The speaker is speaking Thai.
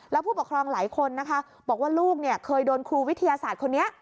แล้วผู้ปกครองหลายคนนะคะบอกว่าลูกเคยโดนครูวิทยาศาสตร์คนนี้